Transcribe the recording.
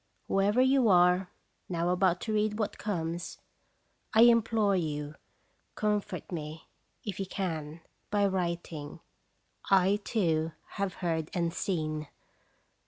Whoever you are, now about to read what comes, I implore you com fort me, if you can, by writing: " I, too, have heard and seen!"